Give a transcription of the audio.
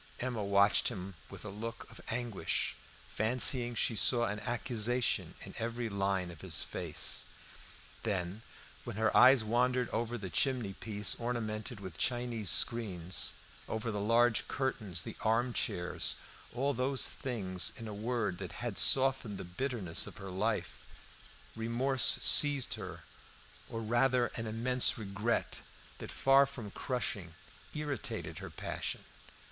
Emma watched him with a look of anguish, fancying she saw an accusation in every line of his face. Then, when her eyes wandered over the chimney piece ornamented with Chinese screens, over the large curtains, the armchairs, all those things, in a word, that had, softened the bitterness of her life, remorse seized her or rather an immense regret, that, far from crushing, irritated her passion.